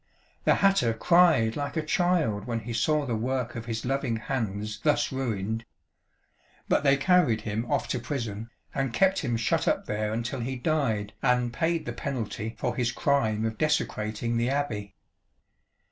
The hatter cried like a child when he saw the work of his loving hands thus ruined. But they carried him off to prison and kept him shut up there until he died and paid the penalty for his crime of desecrating the Abbey."